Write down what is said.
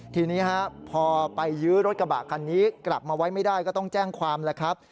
ทีนี้พอไปยื้อรถกระบะคันนี้กลับมาไว้ไม่ได้ก็ต้องแจ้งความแล้วครับ